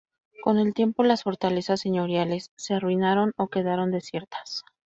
Con el tiempo, las fortalezas señoriales se arruinaron o quedaron desiertas.